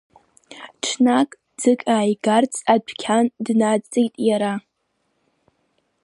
Ҽнак, ӡык ааигарц, адәқьан днадҵит иара.